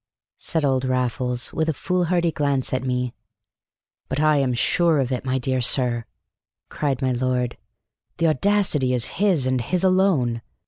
said old Raffles, with a foolhardy glance at me. "But I'm sure of it, my dear sir," cried my lord. "The audacity is his and his alone.